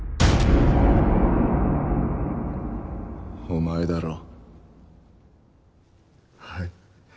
お前だろはい